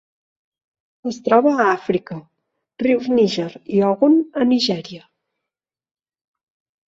Es troba a Àfrica: rius Níger i Ogun a Nigèria.